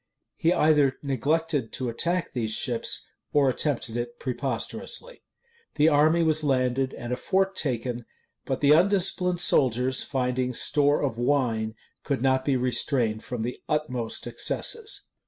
He either neglected to attack these ships or attempted it preposterously. The army was landed, and a fort taken; but the undisciplined soldiers, finding store of wine, could not be restrained from the utmost excesses.